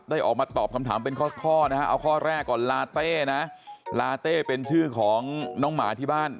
ออกมาตอบคำถามเป็นข้อนะฮะเอาข้อแรกก่อนลาเต้นะลาเต้เป็นชื่อของน้องหมาที่บ้าน